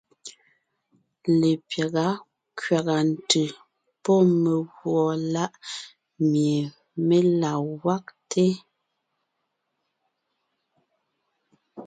Lepyága kẅàga ntʉ̀ pɔ́ megùɔ láʼ mie mé la gwagte.